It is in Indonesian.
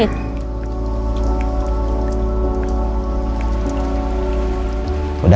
diajarkan begitu jari kita